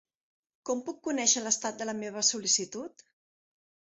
Com puc conèixer l'estat de la meva sol·licitud?